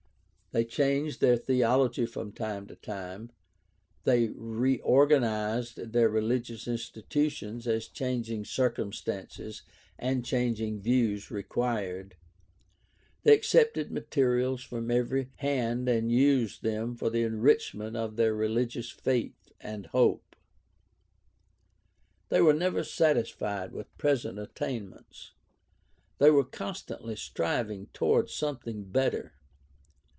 They changed their theology from time to time; they reorganized their religious institutions as changing circumstances and changing views required ; they accepted materials from every hand and used them for the enrichment of their religious faith and hope. They were never satisfied with present attainments. They were constantly striving toward something better.